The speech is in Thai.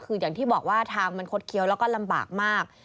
คืออย่างที่บอกว่าทางมันคดเคี้ยวแล้วก็ลำบากมาก